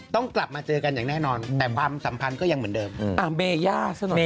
ต้องกลับมาเจอกันอย่างแน่นอนแต่ความสัมพันธ์ก็ยังเหมือนเดิม